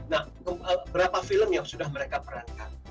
nah berapa film yang sudah mereka perankan